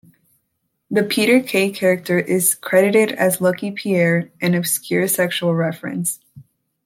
The "Peter Kay" character is credited as "Lucky Pierre", an obscure sexual reference.